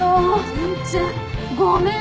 全然。ごめん！